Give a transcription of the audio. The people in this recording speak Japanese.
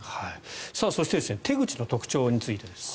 そして手口の特徴についてです。